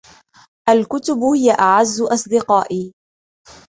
الكتب هي أعز أصدقائي.